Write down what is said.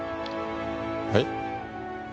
はい？